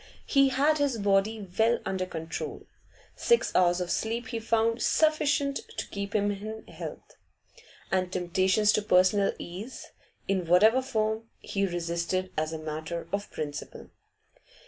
He had his body well under control; six hours of sleep he found sufficient to keep him in health, and temptations to personal ease, in whatever form, he resisted as a matter of principle.